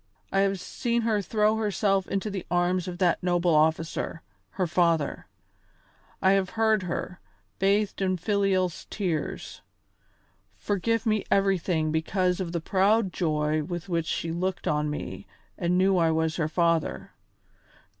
I have seen her throw herself into the arms of that noble officer, her father; I have heard her, bathed in filial tears, forgive me everything because of the proud joy with which she looked on me and knew I was her father.